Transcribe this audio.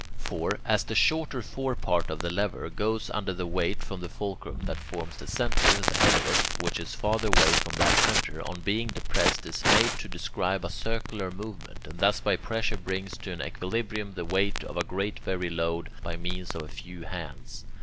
For, as the shorter fore part of the lever goes under the weight from the fulcrum that forms the centre, the head of it, which is farther away from that centre, on being depressed, is made to describe a circular movement, and thus by pressure brings to an equilibrium the weight of a very great load by means of a few hands.